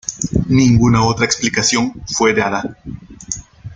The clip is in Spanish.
Ninguna otra explicación fue dada.